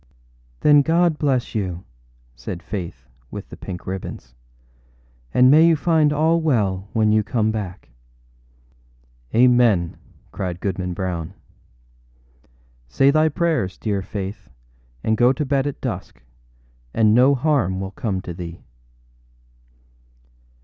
â âThen God bless you!â said Faith, with the pink ribbons; âand may you find all well when you come back.â âAmen!â cried Goodman Brown. âSay thy prayers, dear Faith, and go to bed at dusk, and no harm will come to thee.